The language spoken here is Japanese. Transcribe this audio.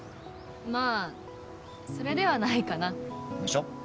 まぁそれではないかな。でしょ？